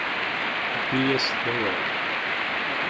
Bbi-yas-d, awal!